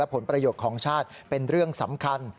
ผลประโยชน์ของชาติเป็นเรื่องสำคัญ